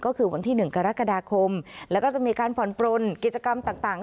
ก็คือวันที่๑กรกฎาคมแล้วก็จะมีการผ่อนปลนกิจกรรมต่าง